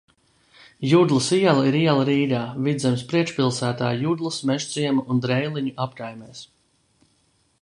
Juglas iela ir iela Rīgā, Vidzemes priekšpilsētā, Juglas, Mežciema un Dreiliņu apkaimēs.